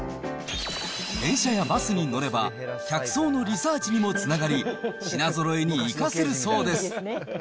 電車やバスに乗れば、客層のリサーチにもつながり、品ぞろえに生かせるそうです。